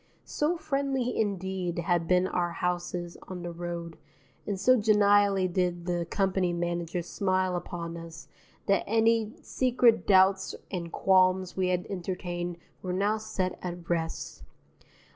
So friendly indeed had been our houses on the road and so genially did the company manager smile upon us that any secret doubts and qualms we had entertained were now set at rest.